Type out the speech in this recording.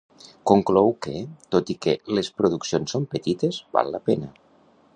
Conclou que, tot i que les produccions són petites, val la pena.